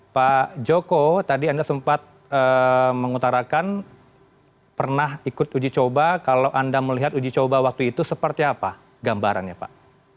pak joko tadi anda sempat mengutarakan pernah ikut uji coba kalau anda melihat uji coba waktu itu seperti apa gambarannya pak